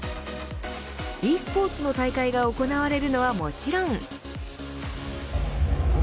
ｅスポーツの大会が行われるのはもちろん。